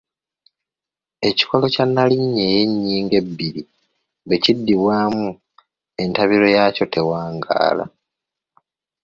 Ekikolo kya nnalinnya ey’ennyingo ebbiri bwe kiddibwamu entabiro yaakyo tewangaala.